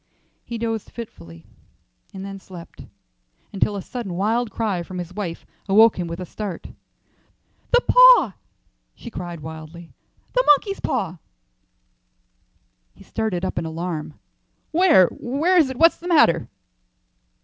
He dozed fitfully, and then slept until a sudden wild cry from his wife awoke him with a start. "The paw!" she cried wildly. "The monkey's paw!" He started up in alarm. "Where? Where is it? What's the matter?"